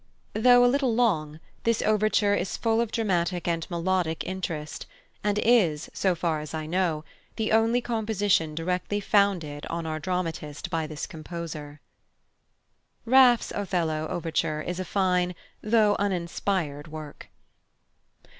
Though a little long, this overture is full of dramatic and melodic interest, and is, so far as I know, the only composition directly founded on our dramatist by this composer. +Raff's+ "Othello" overture is a fine though uninspired work.